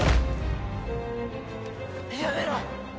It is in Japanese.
やめろ！